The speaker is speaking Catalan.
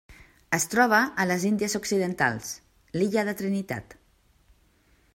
Es troba a les Índies Occidentals: l'illa de Trinitat.